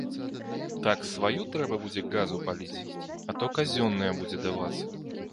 Так сваю трэба будзе газу паліць, а то казённая будзе давацца.